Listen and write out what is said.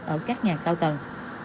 ở các nhà cao tầng